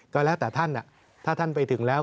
ก็แล้วแต่ท่านถ้าท่านไปถึงแล้ว